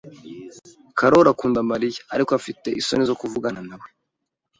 Karoli akunda Mariya, ariko afite isoni zo kuvugana nawe.